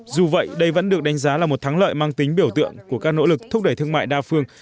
dù vậy đây vẫn được đánh giá là một thắng lợi mang tính biểu tượng của các nỗ lực thúc đẩy thương mại đa phương